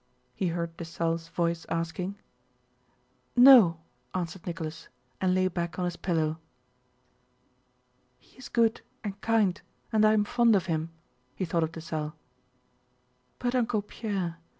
he heard Dessalles' voice asking. "No," answered Nicholas, and lay back on his pillow. "He is good and kind and I am fond of him!" he thought of Dessalles. "But Uncle Pierre!